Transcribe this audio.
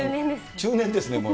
中年ですね、もう。